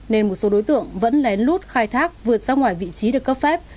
nên một số đối tượng vẫn lén lút khai thác vượt ra ngoài vị trí được cấp phép